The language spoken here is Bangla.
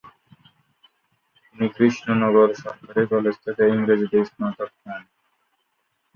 তিনি কৃষ্ণনগর সরকারি কলেজ থেকে ইংরেজিতে স্নাতক হন।